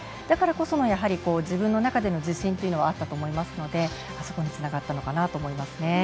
だからこその自分の中での自信というのがあったと思いますのであそこにつながったのかなと思いますね。